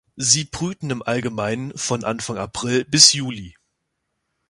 Sie brüten im Allgemeinen von Anfang April bis Juli.